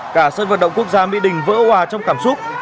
cả sân vận động quốc gia mỹ đình vỡ hòa trong cảm xúc